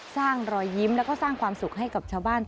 รอยยิ้มแล้วก็สร้างความสุขให้กับชาวบ้าน